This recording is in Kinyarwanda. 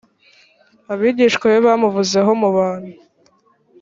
abigishwa be bamuvuzeho mu bantu.